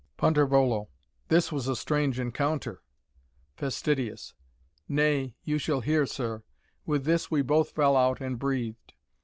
"Punt. This was a strange encounter. "Fast. Nay, you shall hear, sir. With this, we both fell out and breathed.